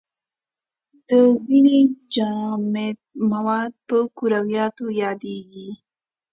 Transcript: د وینې جامد مواد په کرویاتو یادیږي.